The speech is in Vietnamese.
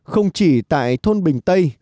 không chỉ tại thôn bình tây